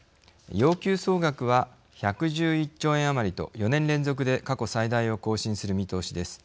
要求総額は１１１兆円余りと４年連続で過去最大を更新する見通しです。